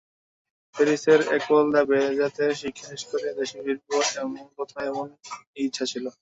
প্যারিসের একোল দ্য বোজার্তের শিক্ষা শেষ করে দেশে ফিরব—প্রথমে এমনই ছিল ইচ্ছা।